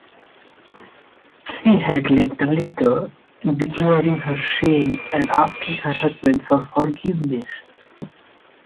She had left a letter declaring her shame and asking her husband for forgiveness.